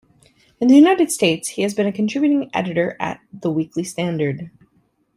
In the United States, he has been a contributing editor at "The Weekly Standard".